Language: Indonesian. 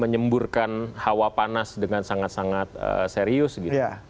menyemburkan hawa panas dengan sangat sangat serius gitu